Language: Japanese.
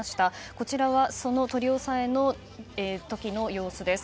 こちらはその取り押さえの時の様子です。